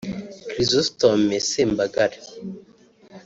Chrysostome Sembagare